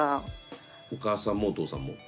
お母さんもお父さんも。